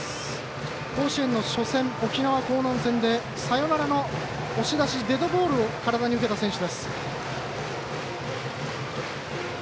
甲子園の初戦、沖縄興南戦でサヨナラの押し出しデッドボールを体に受けた選手。